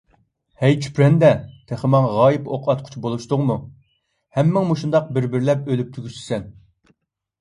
ھەي چۈپرەندە، تېخى ماڭا غايىب ئوق ئاتقۇچى بولۇشتۇڭمۇ، ھەممىڭ مۇشۇنداق بىر - بىرلەپ ئۆلۈپ تۈگىشىسەن!